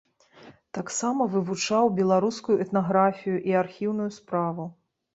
Таксама вывучаў беларускую этнаграфію і архіўную справу.